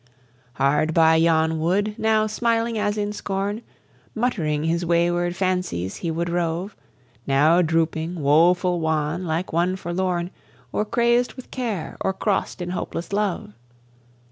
"Hard by yon wood, now smiling as in scorn, Muttering his wayward fancies he would rove; Now drooping, woeful wan, like one forlorn, Or crazed with care, or crossed in hopeless love.